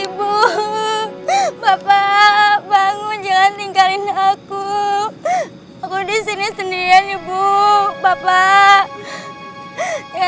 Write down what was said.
ibu bapak bangun jangan tinggalin aku aku disini sendiri ya ibu bapak